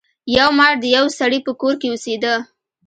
یو مار د یو سړي په کور کې اوسیده.